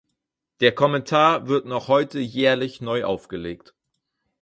Der Kommentar wird noch heute jährlich neu aufgelegt.